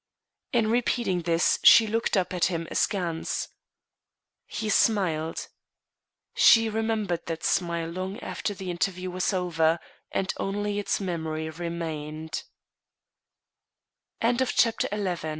In repeating this, she looked up at him askance. He smiled. She remembered that smile long after the interview was over and only its memory remai